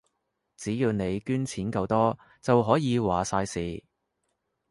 只要你捐錢夠多，就可以話晒事